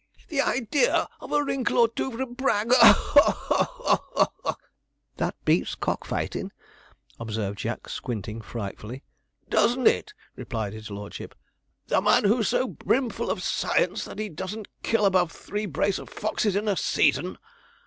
The idea of a wrinkle or two from Bragg! haw haw haw haw! 'That beats cockfightin',' observed Jack, squinting frightfully. 'Doesn't it?' replied his lordship. 'The man who's so brimful of science that he doesn't kill above three brace of foxes in a season.'